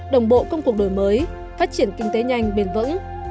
đồng bộ công cuộc đổi mới phát triển kinh tế nhanh bền vững